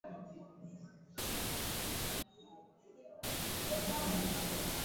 Kuku njo kengele ya asubui